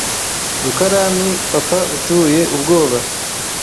rukarani papa uteye ubwoba.